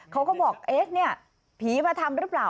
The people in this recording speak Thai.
เขาก็บอกนี่ผีมาทำหรือเปล่า